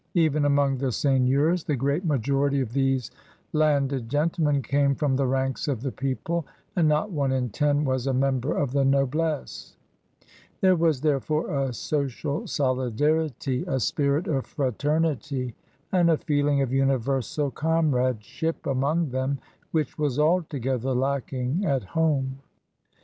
Even among the seigneurs the great majority of these landed gentl^nen came from the ranks of the people, and not one in t^i was a member of the noblesse. There was, therefore, a social solidarity, a spirit of fraternity, and a feeling of universal comrade ship among them which was altogether lacking at home.